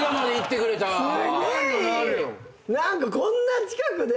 何かこんな近くで。